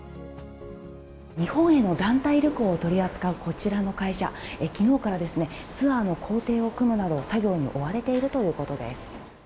日本への団体旅行を取り扱うこちらの会社、きのうからですね、ツアーの工程を組むなど、作業に追われているということです。